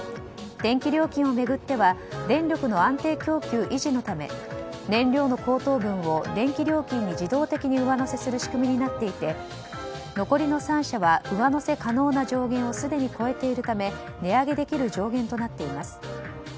電気料金を巡っては電力の安定供給維持のため燃料の高騰分を電気料金に自動的に上乗せする仕組みになっていて残りの３社は上乗せ可能な上限をすでに超えているため値上げできる上限となっています。